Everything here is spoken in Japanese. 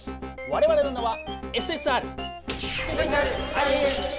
われわれの名は「ＳＳＲ」！